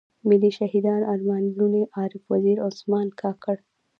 ملي شهيدان ارمان لوڼی، عارف وزير، عثمان کاکړ.